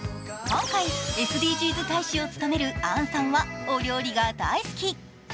今回、ＳＤＧｓ大使を務める杏さんはお料理が大好き。